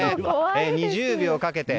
２０秒かけて。